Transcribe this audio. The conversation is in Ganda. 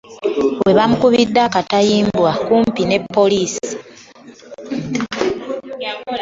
We bamukubidde akatayimbwa kumpi ne poliisi.